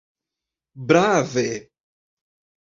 Brave!